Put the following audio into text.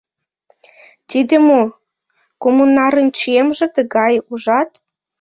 — Тиде мо, коммунарын чиемже тыгай, ужат?